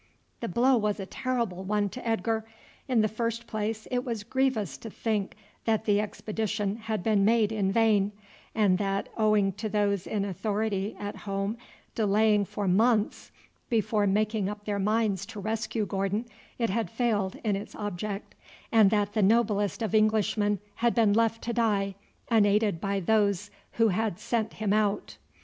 The blow was a terrible one to Edgar. In the first place it was grievous to think that the expedition had been made in vain, and that, owing to those in authority at home delaying for months before making up their minds to rescue Gordon, it had failed in its object, and that the noblest of Englishmen had been left to die, unaided by those who had sent him out.